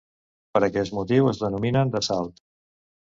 Per aquest motiu es denominen d'assalt.